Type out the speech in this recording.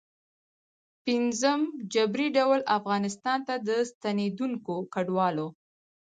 ه جبري ډول افغانستان ته د ستنېدونکو کډوالو